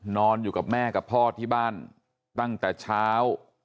นอนอยู่กับแม่กับพ่อที่บ้านตั้งแต่เช้า